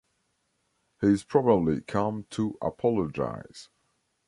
He's probably come to apologise.